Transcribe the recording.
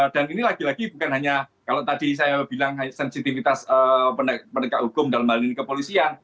dan ini lagi lagi bukan hanya kalau tadi saya bilang sensitivitas pendekat hukum dalam hal ini kepolisian